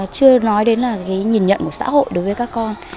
chưa nói đến là cái nhìn nhận của xã hội đối với các con